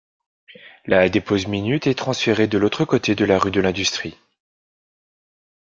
La dépose minute est transférée de l'autre côté de la rue de l'Industrie.